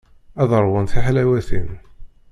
Ad ṛwun tiḥlawatin.